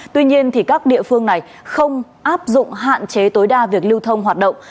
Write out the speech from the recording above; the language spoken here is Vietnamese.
tuy nhiên các địa phương này không áp dụng hạn chế tối đa việc lưu thông hoạt động